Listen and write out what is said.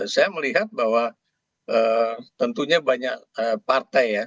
saya melihat bahwa tentunya banyak partai ya